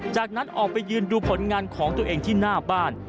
จากนั้นออกไปยืนดูผลงานของตัวเองที่หน้าบ้าน